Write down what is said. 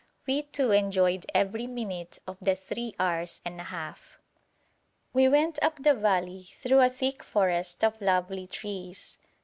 We two enjoyed every minute of the three hours and a half. We went up the valley through a thick forest of lovely trees.